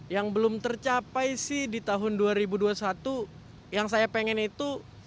yang belum tercapai sih di tahun dua ribu dua puluh satu yang saya pengen itu